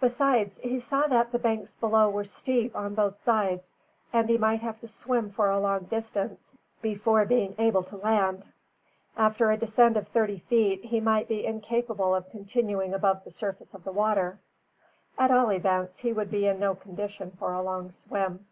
Besides, he saw that the banks below were steep on both sides, and he might have to swim for a long distance before being able to land. After a descent of thirty feet he might be incapable of continuing above the surface of the water. At all events, he would be in no condition for a long swim.